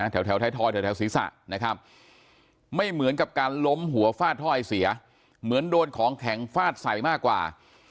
แถวไทยทอยแถวศีรษะนะครับไม่เหมือนกับการล้มหัวฟาดถ้อยเสียเหมือนโดนของแข็งฟาดใส่มากกว่า